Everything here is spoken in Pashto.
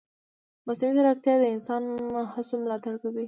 مصنوعي ځیرکتیا د انساني هڅو ملاتړ کوي.